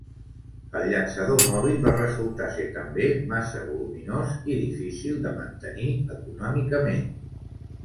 El llançador mòbil va resultar ser també massa voluminós i difícil de mantenir econòmicament.